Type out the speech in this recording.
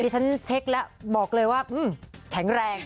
ฉันเช็คแล้วบอกเลยว่าแข็งแรง